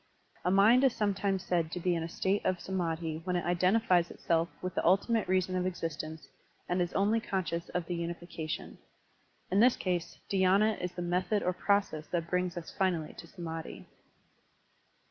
A mind is sometimes said to be in a state of Digitized by Google PRACTICE OF DHVANA 15! samMhi when it identifies itself with the ultimate reason of existence and is only conscious of the unification. In this case, dhy^na is the method or process that brings us finally to samSdhi.